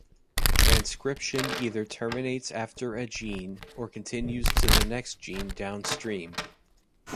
Transcription either terminates after a gene or continues to the next gene downstream.